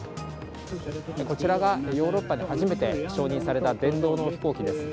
こちらが、ヨーロッパで初めて承認された電動の飛行機です。